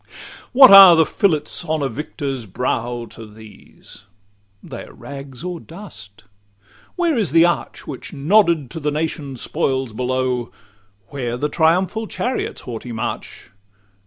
What are the fillets on the victor's brow To these? They are rags or dust. Where is the arch Which nodded to the nation's spoils below? Where the triumphal chariots' haughty march?